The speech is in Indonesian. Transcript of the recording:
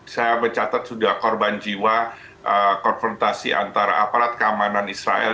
saya mencatat sudah korban jiwa konfrontasi antara aparat keamanan israel